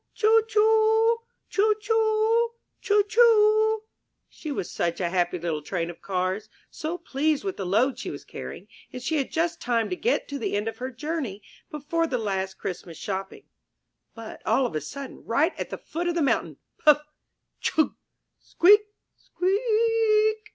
Choo, choo ! Choo, choo ! Choo, choo ! She was such a happy little Train of Cars, so pleased with the load she was carrying, and she had just time to get to the end of her journey before the last Christmas shopping. But all of a sudden, right at the foot of the mountain, Puff! Chug! Squeak! Squea ea eak